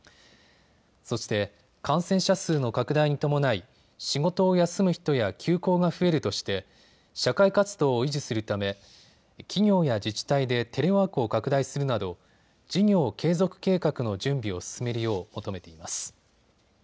そして感染者数の拡大に伴い仕事を休む人や休校が増えるとして社会活動を維持するため企業や自治体でテレワークを拡大するなど事業継続計画の準備を進めるよう求めています。